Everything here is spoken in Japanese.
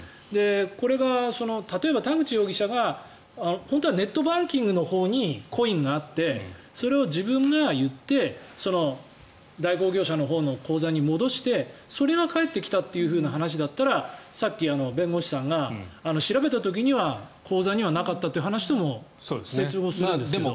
これが例えば田口容疑者が本当はネットバンキングのほうにコインがあってそれを自分が言って代行業者のほうの口座に戻してそれが返ってきたという話だったらさっき、弁護士さんが調べた時には口座にはなかったという話とも整合するんですけど。